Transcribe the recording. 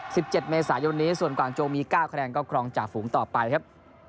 สิบเจ็ดเมษายนนี้ส่วนกวางโจมีเก้าคะแนนก็ครองจ่าฝูงต่อไปครับ